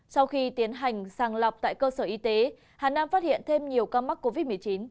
sau khi tiến hành sàng lọc tại cơ sở y tế hà nam phát hiện thêm nhiều ca mắc covid một mươi chín